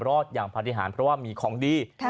รอดอย่างปฏิหารเพราะว่ามีของดี